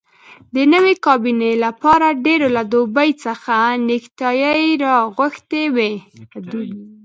د نوې کابینې لپاره ډېرو له دوبۍ څخه نیکټایي راغوښتي وې.